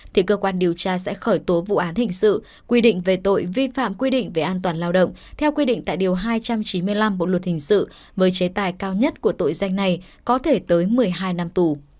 thì cơ quan điều tra sẽ khởi tố vụ án hình sự quy định về tội vi phạm quy định về an toàn lao động theo quy định tại điều hai trăm chín mươi năm bộ luật hình sự với chế tài cao nhất của tội danh này có thể tới một mươi hai năm tù